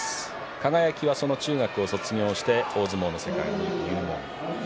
輝は中学を卒業して大相撲の世界に入門。